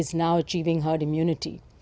sekarang mencapai herd immunity